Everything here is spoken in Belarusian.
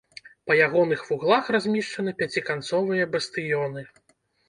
Па ягоных вуглах размешчаны пяціканцовыя бастыёны.